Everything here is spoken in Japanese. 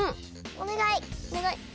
おねがい！